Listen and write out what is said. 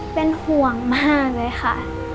เป็นห่วงมากเลยค่ะ